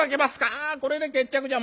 「ああこれで決着じゃ。